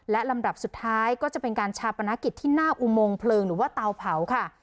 และลำดับสุดท้ายก็จะเป็นการชาปนกิจที่หน้าอุโมงเพลิงหรือว่าเตาเผาค่ะ